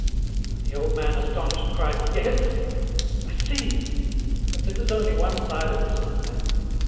" And the old man, astonished, cried ' Yes ... I see !'" But this is only one side of this good man.